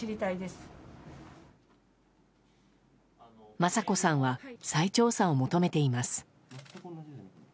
雅子さんは再調査を求めています。